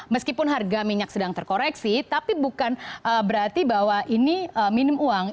meskipun harga minyak sedang terkoreksi tapi bukan berarti bahwa ini minim uang